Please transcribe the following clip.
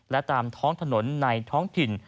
และตามท้องถนนในท้องถิ่น